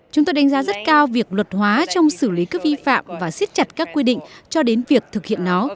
chúng tôi đánh giá rất cao việc luật hóa trong xử lý các vi phạm và siết chặt các quy định cho đến việc thực hiện nó